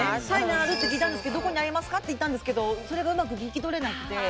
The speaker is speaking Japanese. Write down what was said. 聞いたんですけどどこにありますかって言ったんですけどそれがうまく聞き取れなくて。